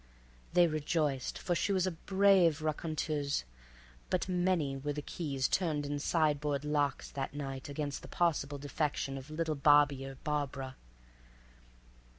They rejoiced, for she was a brave raconteuse, but many were the keys turned in sideboard locks that night against the possible defection of little Bobby or Barbara....